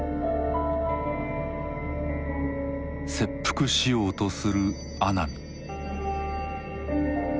切腹しようとする阿南。